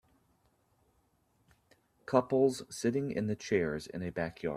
Couple sitting in the chairs in a backyard.